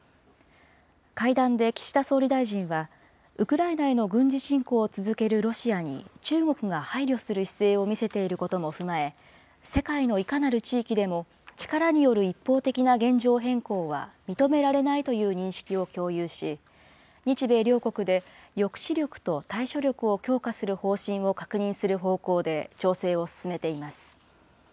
会談で岸田総理大臣は、ウクライナへの軍事侵攻を続けるロシアに中国が配慮する姿勢を見せていることも踏まえ、世界のいかなる地域でも力による一方的な現状変更は認められないという認識を共有し、日米両国で抑止力と対処力を強化する方針を確認する方向で調整を進めています。